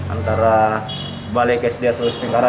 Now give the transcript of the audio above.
antara balai kesediha sosipengkara